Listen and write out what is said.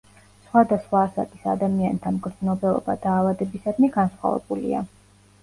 სხვადასხვა ასაკის ადამიანთა მგრძნობელობა დაავადებისადმი განსხვავებულია.